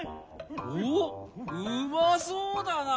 おっうまそうだな。